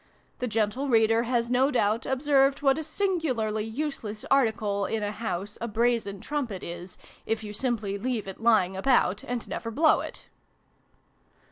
The gentle Reader has no doubt observed what a singularly useless article in a house a brazen trumpet is, if you simply leave it lying about, and never blow it